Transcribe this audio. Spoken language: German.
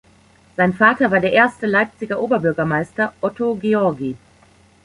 Sein Vater war der erste Leipziger Oberbürgermeister Otto Georgi.